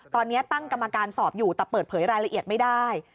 ตอนนี้ตั้งกรรมการสอบอยู่แต่เปิดเผยรายละเอียดไม่ได้